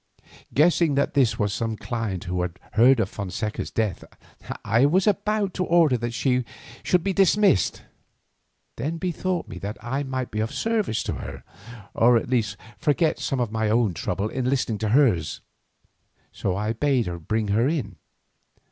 Guessing that this was some client who had not heard of Fonseca's death I was about to order that she should be dismissed, then bethought me that I might be of service to her or at the least forget some of my own trouble in listening to hers. So I bade him bring her in.